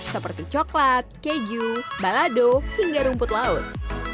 seperti coklat keju balado hingga rumput laut